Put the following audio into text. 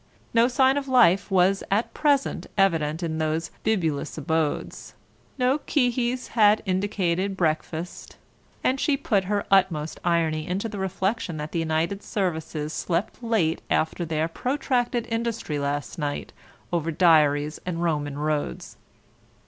No sign of life was at present evident in those bibulous abodes, no qui his had indicated breakfast, and she put her utmost irony into the reflection that the United Services slept late after their protracted industry last night over diaries and Roman roads.